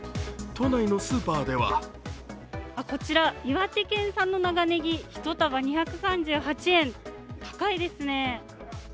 都内のスーパーではこちら岩手県産の長ねぎ、１束２３８円、高いですね。